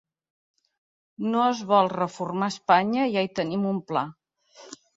No es vol reformar Espanya ja i tenim un pla.